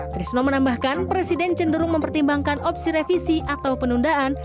trisno menambahkan presiden cenderung mempertimbangkan opsi revisi atau penundaan